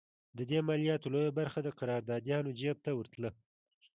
د دې مالیاتو لویه برخه د قراردادیانو جېب ته ورتله.